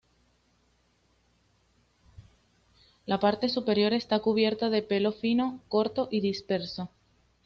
La parte superior está cubierta de pelo fino, corto y disperso.